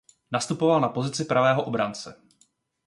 Nastupoval na pozici pravého obránce.